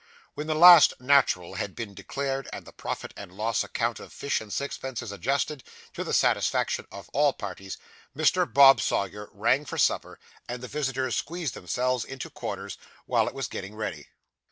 When the last 'natural' had been declared, and the profit and loss account of fish and sixpences adjusted, to the satisfaction of all parties, Mr. Bob Sawyer rang for supper, and the visitors squeezed themselves into corners while it was getting ready.